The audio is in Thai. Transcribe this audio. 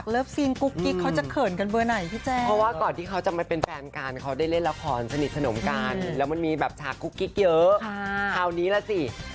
แค่รู้ว่าถ้ามีโอกาสได้ร่วมงานกับเขาอีก